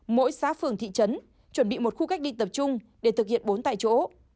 mỗi xã phường thị trấn chuẩn bị một khu cách ly tập trung để thực hiện bốn tại chỗ